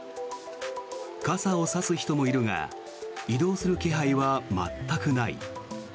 傘を差す人もいるが移動する気配は全くない。